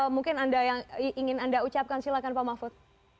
mungkin anda yang ingin anda ucapkan silakan pak mahfud